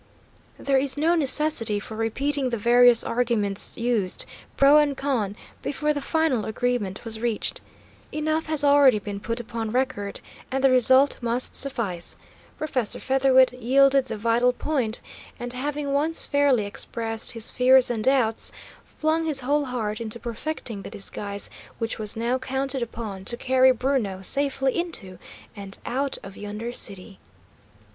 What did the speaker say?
There is no necessity for repeating the various arguments used, pro and con, before the final agreement was reached. Enough has already been put upon record, and the result must suffice: Professor Featherwit yielded the vital point, and, having once fairly expressed his fears and doubts, flung his whole heart into perfecting the disguise which was now counted upon to carry Bruno safely into and out of yonder city.